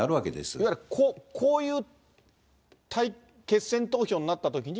いわゆるこういう決選投票になったときに、